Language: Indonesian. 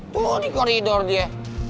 tuh di koridor dia